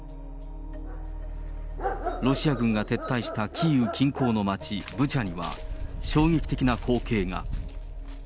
ロシア軍が撤退したキーウ近郊の町ブチャには、衝撃的な光景が。